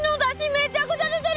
めちゃくちゃ出てる！